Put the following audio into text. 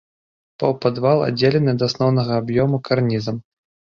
Паўпадвал аддзелены ад асноўнага аб'ёму карнізам.